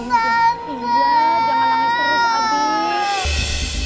iya jangan nangis terus abi